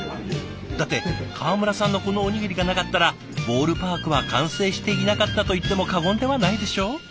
だって川村さんのこのおにぎりがなかったらボールパークは完成していなかったといっても過言ではないでしょう！